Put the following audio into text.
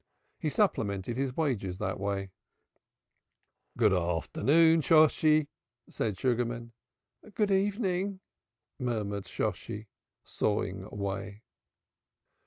He supplemented his wages that way. "Good evening, Shosshi," said Sugarman. "Good evening," murmured Shosshi, sawing away.